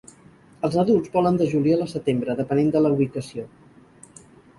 Els adults volen de juliol a setembre, depenent de la ubicació.